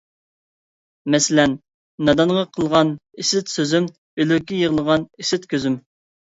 مەسىلەن: نادانغا قىلغان ئىسىت سۆزۈم، ئۆلۈككە يىغلىغان ئىسىت كۆزۈم.